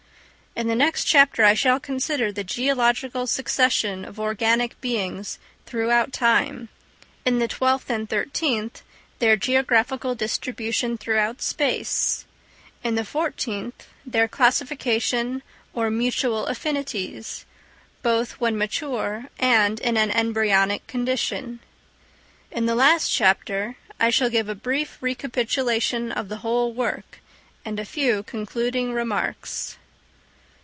In the next chapter I shall consider the geological succession of organic beings throughout time; in the twelfth and thirteenth, their geographical distribution throughout space; in the fourteenth, their classification or mutual affinities, both when mature and in an embryonic condition. In the last chapter I shall give a brief recapitulation of the whole work, and a few concluding remarks.